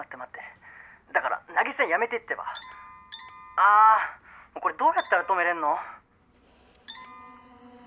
「あぁこれどうやったら止めれんの？」